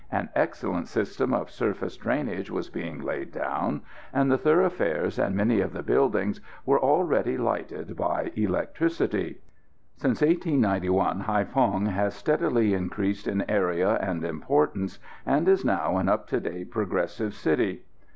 An excellent system of surface drainage was being laid down, and the thoroughfares and many of the buildings were already lighted by electricity. [Illustration: BOULEVARD PAUL PERT, HAÏPHONG.] Since 1891 Haïphong has steadily increased in area and importance, and is now an up to date, progressive city.